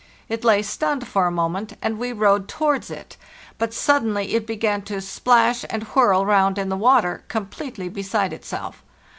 It lay stunned for a moment, and we rowed towards it, but suddenly it began to splash and whirl round in the water, completely beside itself.